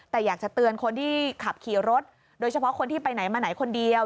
แต่อยากจะเตือนคนที่ขับขี่รถโดยเฉพาะคนที่ไปไหนมาไหนคนเดียว